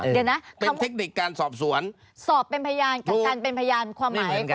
เดี๋ยวนะเป็นเทคนิคการสอบสวนสอบเป็นพยานกับการเป็นพยานความหมาย